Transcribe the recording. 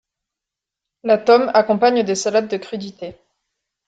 La tomme accompagne des salades de crudités.